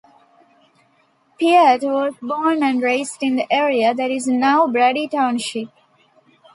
Piatt was born and raised in the area that is now Brady Township.